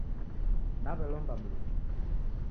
Naw'elomba Mlungu.